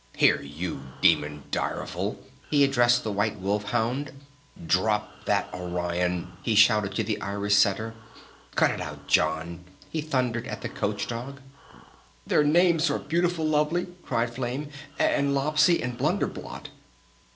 "Here you, Demon Direful!" he addressed the white Wolf Hound. "Drop that, Orion!" he shouted to the Irish Setter. "Cut it out, John!" he thundered at the Coach Dog. "Their names are 'Beautiful Lovely'!" cried Flame. "And 'Lopsy!' and 'Blunder Blot!'"